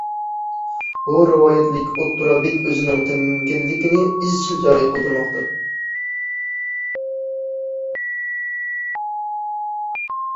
بۇ رىۋايەتلىك ئوتتۇرا بېك ئۆزىنىڭ تەمكىنلىكىنى ئىزچىل جارى قىلدۇرماقتا.